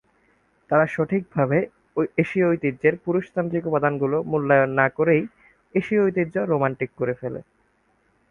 তারা সঠিকভাবে এশীয় ঐতিহ্যের পুরুষতান্ত্রিক উপাদানগুলো মূল্যায়ন না করেই, এশীয় ঐতিহ্য রোমান্টিক করে তোলে।